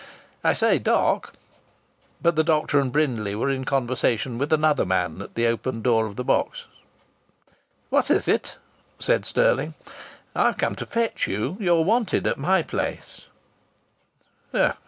"I say, doc!" But the doctor and Brindley were in conversation with another man at the open door of the box. "What is it?" said Stirling. "I've come to fetch you. You're wanted at my place."